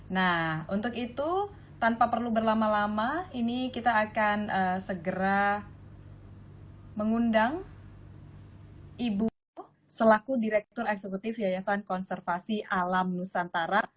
nah untuk itu tanpa perlu berlama lama ini kita akan segera mengundang ibu selaku direktur eksekutif yayasan konservasi alam nusantara